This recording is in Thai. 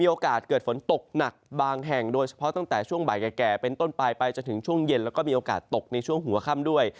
โอกาสเกิดฝนตกหนักบางแห่งโดยเฉพาะตั้งแต่ช่วงบ่ายแก่เป็นต้นปลายไปจนถึงช่วงเย็นแล้วก็มีโอกาสตกในช่วงหัวค่ำด้วย